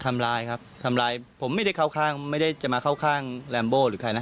ทำร้ายครับทำร้ายผมไม่ได้เข้าข้างไม่ได้จะมาเข้าข้างแรมโบหรือใครนะ